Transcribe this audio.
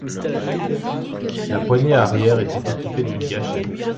La poignée arrière était équipée d’une gâchette.